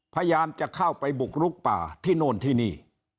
พยายามจะเข้าไปบุกลุกป่าที่โน่นที่นี่